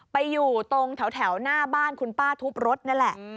ไปอยู่ตรงแถวหน้าบ้านคุณป้าทุบรถนั่นแหละ